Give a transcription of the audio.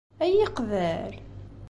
Ad iyi-yeqbel?